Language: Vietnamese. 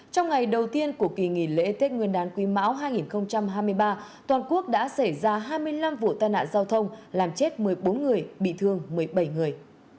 trong ngày đầu tiên của kỳ nghỉ lễ tết nguyên đán quý mão hai nghìn hai mươi ba toàn quốc đã xảy ra hai mươi năm vụ tai nạn giao thông làm chết một mươi bốn người bị thương một mươi bảy người